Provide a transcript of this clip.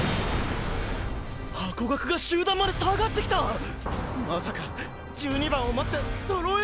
ハコガクが集団まで下がってきた⁉まさか１２番を待って揃えるために！！